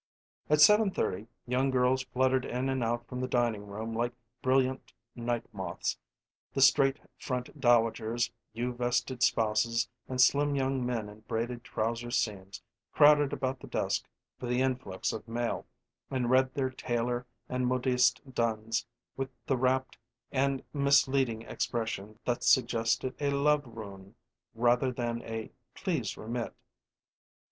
At seven thirty young girls fluttered in and out from the dining room like brilliant night moths, the straight front dowagers, U vested spouses, and slim young men in braided trousers seams crowded about the desk for the influx of mail, and read their tailor and modiste duns with the rapt and misleading expression that suggested a love rune rather than a "Please remit."